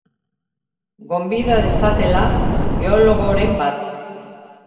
Gonbida dezatela geologoren bat.